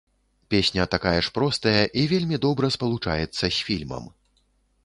Песня такая ж простая і вельмі добра спалучаецца з фільмам.